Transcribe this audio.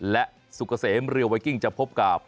และสุกเกษมเรือไวกิ้งจะพบกับ